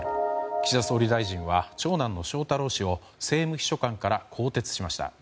岸田総理大臣は長男の翔太郎氏を政務秘書官から更迭しました。